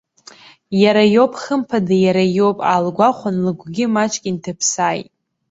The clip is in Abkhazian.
Иара иоуп, хымԥада иара иоуп, аалгәахәын, лыгәгьы маҷк инҭыԥсааит.